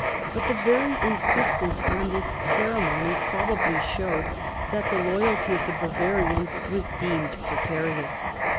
But the very insistence on this ceremony probably showed that the loyalty of the Bavarians was deemed precarious.